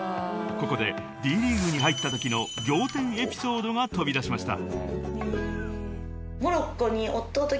［ここでＤ．ＬＥＡＧＵＥに入ったときの仰天エピソードが飛び出しました］